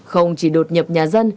không chỉ đột nhập nhà dân